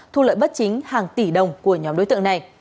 thu lợi bất chính hàng tỷ đồng của nhóm đối tượng này